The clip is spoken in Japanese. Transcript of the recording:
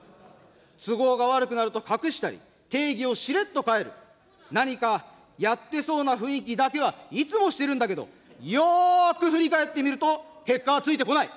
都合が悪くなると隠したり、定義をしれっと変える、何かやってそうな雰囲気だけは、いつもしてるんだけど、よく振り返ってみると、結果はついてこない。